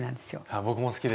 僕も好きです。